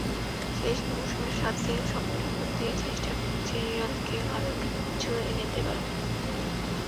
শেষ মৌসুমে সাধ্যের সবটুকু দিয়ে চেষ্টা করেছি রিয়ালকে ভালো কিছু এনে দেবার।